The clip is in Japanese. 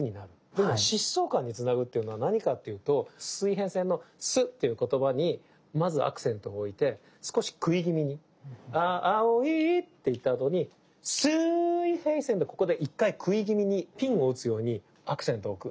でも疾走感につなぐっていうのは何かっていうと「すいへいせん」の「す」っていう言葉にまずアクセントを置いて少しくい気味にあおいって言ったあとにすいへいせんのここで１回くい気味にピンを打つようにアクセントを置く。